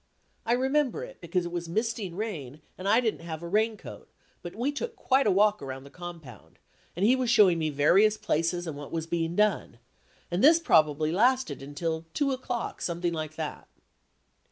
I remember it, because it was misting rain, and I didn't have a raincoat, but we took quite a walk around the compound, and he was showing me various places and what was being done. And this probably lasted until 2 o'clock, something like that.